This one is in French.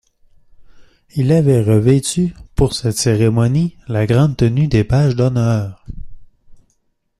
Il avait revêtu pour cette cérémonie la grande tenue des pages d’honneur.